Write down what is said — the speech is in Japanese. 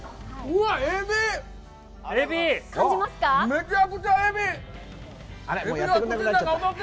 うわっ！